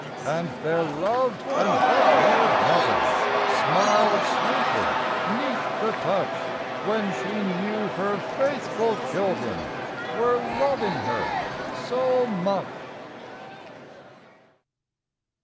And their loved and white haired mother Smiled sweetly 'neath the touch, When she knew her faithful children Were loving her so much.